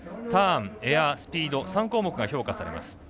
ターン、エア、スピードの３項目が評価されます。